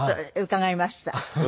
伺いました？